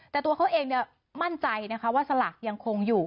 แต่ตัวเขาเองมั่นใจนะคะว่าสลากยังคงอยู่